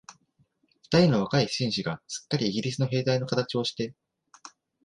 二人の若い紳士が、すっかりイギリスの兵隊のかたちをして、